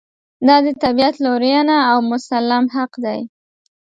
دا د طبعیت لورېینه او مسلم حق دی.